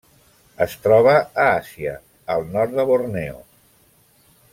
Es troba a Àsia: el nord de Borneo.